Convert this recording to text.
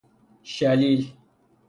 شلیل